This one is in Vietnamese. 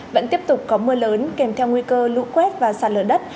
vẫn tiếp tục có mưa lớn kèm theo nguy cơ lũ quét và sạt lở đất